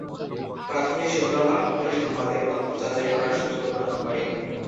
প্রাথমিক সূত্র পাঠকদের সংবাদের তথ্য যাচাই করার সুযোগ প্রদান করে।